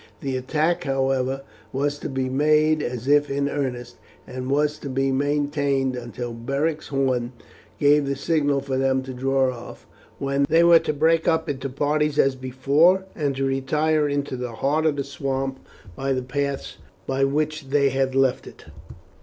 The attack, however, was to be made as if in earnest, and was to be maintained until Beric's horn gave the signal for them to draw off, when they were to break up into parties as before, and to retire into the heart of the swamp by the paths by which they had left it.